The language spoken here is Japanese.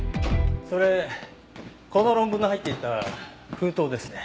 それこの論文が入っていた封筒ですね。